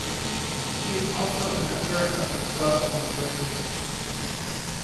She is also a member of the Club of Madrid.